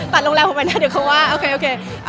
ตัดโรงแรมออกไปนะเดี๋ยวเขาว่าเอาเลยนะครับพี่หมีเลยนะ